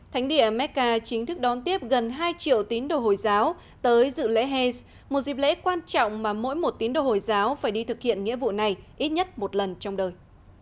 thánh địa mecca chính thức đón tiếp gần hai triệu tín đồ hồi giáo tới dự lễ hengs một dịp lễ quan trọng mà mỗi một tín đồ hồi giáo phải đi thực hiện nghĩa vụ này ít nhất một lần trong đời